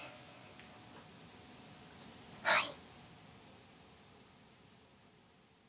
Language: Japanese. はい。